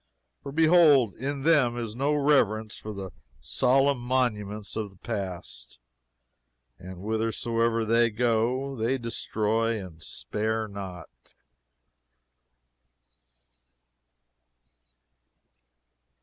For behold in them is no reverence for the solemn monuments of the past, and whithersoever they go they destroy and spare not.